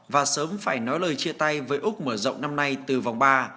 và sớm phải nói lời chia tay với úc mở rộng năm nay từ vòng ba